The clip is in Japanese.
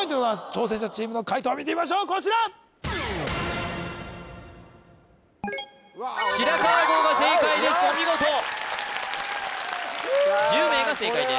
挑戦者チームの解答見てみましょうこちら白川郷が正解ですお見事１０名が正解です